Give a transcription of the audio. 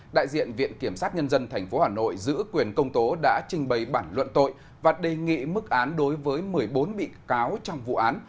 đại diện viện kiểm sát nhân dân tp hà nội giữ quyền công tố đã trình bày bản luận tội và đề nghị mức án đối với một mươi bốn bị cáo trong vụ án